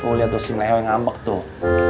tuh liat tuh si lewe ngambek tuh